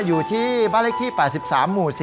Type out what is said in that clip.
อยู่ที่บรรลิกที่๘๓หมู่๔